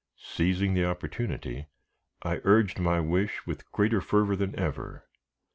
Seizing the opportunity, I urged my wish with greater fervor than ever.